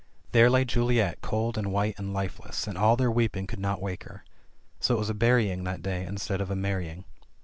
There lay Juliet cold and white and lifeless, and all their weeping could not wake her. So it was a burying that day instead of a marrying.